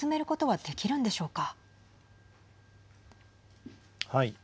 はい。